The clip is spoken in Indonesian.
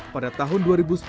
pada tahun dua ribu sepuluh